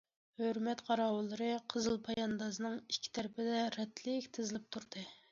ھۆرمەت قاراۋۇللىرى قىزىل پاياندازنىڭ ئىككى تەرىپىدە رەتلىك تىزىلىپ تۇردى.